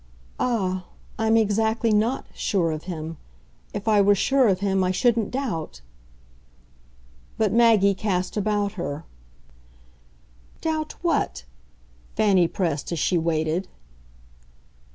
"Ah, I'm exactly NOT sure of him. If I were sure of him I shouldn't doubt !" But Maggie cast about her. "Doubt what?" Fanny pressed as she waited.